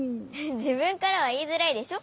じぶんからはいいづらいでしょ？